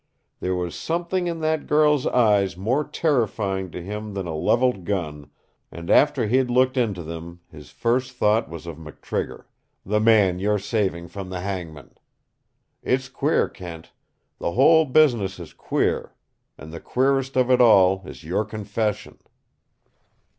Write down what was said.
There was something in that girl's eyes more terrifying to him than a leveled gun, and after he'd looked into them, his first thought was of McTrigger, the man you're saving from the hangman. It's queer, Kent. The whole business is queer. And the queerest of it all is your confession."